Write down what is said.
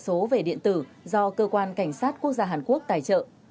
số về điện tử do cơ quan cảnh sát quốc gia hàn quốc tài trợ